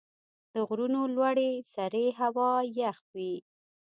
د غرونو لوړې سرې هوا یخ وي.